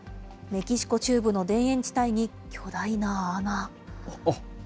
メキシコ中部の田園地帯に、巨大な穴。